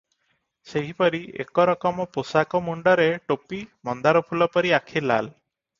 ସେହିପରି ଏକ ରକମ ପୋଷାକ, ମୁଣ୍ଡରେ ଟୋପି, ମନ୍ଦାରଫୁଲ ପରି ଆଖି ଲାଲ ।